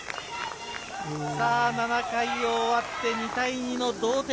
７回を終わって２対２の同点。